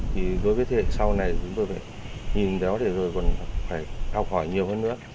với thế hệ sau này chúng tôi phải nhìn đéo để rồi còn phải học hỏi nhiều hơn nữa